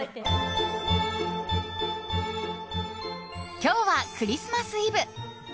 今日はクリスマスイブ。